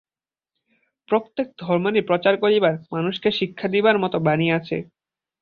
প্রত্যেক ধর্মেরই প্রচার করিবার, মানুষকে শিক্ষা দিবার মত বাণী আছে।